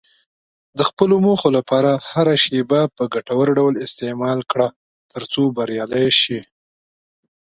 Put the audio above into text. د خپلو موخو لپاره هره شېبه په ګټور ډول استعمال کړه، ترڅو بریالی شې.